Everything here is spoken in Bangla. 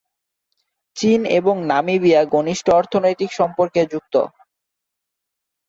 চীন এবং নামিবিয়া ঘনিষ্ঠ অর্থনৈতিক সম্পর্কে যুক্ত।